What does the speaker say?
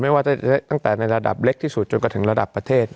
ไม่ว่าจะตั้งแต่ในระดับเล็กที่สุดจนกระถึงระดับประเทศ